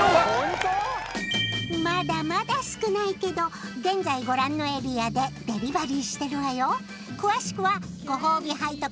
まだまだ少ないけど現在ご覧のエリアでデリバリーしてるわよ